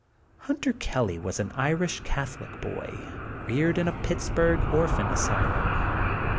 Hunter Kelly was an Irish Catholic boy reared in a Pittsburgh orphan asylum.